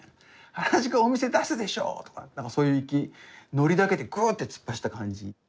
原宿お店出すでしょう！とかそういうノリだけでグーッて突っ走った感じ。